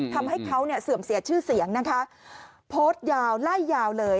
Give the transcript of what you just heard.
ทำให้เขาเนี่ยเสื่อมเสียชื่อเสียงนะคะโพสต์ยาวไล่ยาวเลย